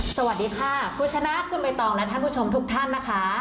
สวัสดีค่ะคุณชนะคุณใบตองและท่านผู้ชมทุกท่านนะคะ